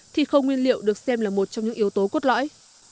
thì khâu nguyên liệu được xem là một trong những yếu tố cốt lõi